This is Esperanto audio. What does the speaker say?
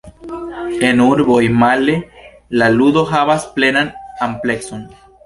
En urboj, male, la ludo havas plenan amplekson.